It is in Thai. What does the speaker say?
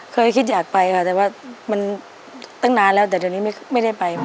เคยคิดอยากไปค่ะแต่ว่ามันตั้งนานแล้วแต่เดี๋ยวนี้ไม่ได้ไป